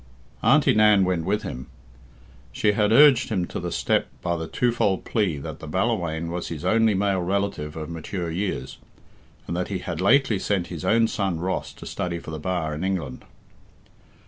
Auntie Nan went with him. She had urged him to the step by the twofold plea that the Ballawhaine was his only male relative of mature years, and that he had lately sent his own son Ross to study for the bar in England.